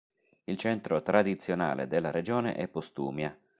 Il centro tradizionale della regione è Postumia.